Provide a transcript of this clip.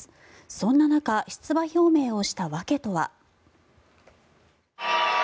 そんな中出馬表明をした訳とは。